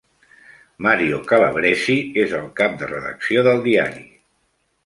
Mario Calabresi és el cap de redacció del diari.